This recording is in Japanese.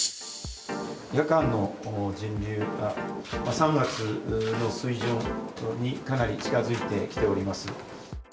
夜間の人流、３月の水準にかなり近づいてきております。